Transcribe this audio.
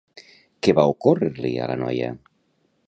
Què va ocórrer-li a la noia?